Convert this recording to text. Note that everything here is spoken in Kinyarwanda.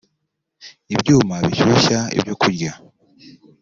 ibyuma bishyushya ibyo kurya